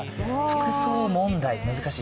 服装問題、難しい。